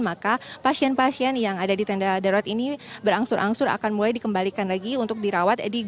maka pasien pasien yang ada di tenda darurat ini berangsur angsur akan mulai dikembalikan lagi untuk dirawat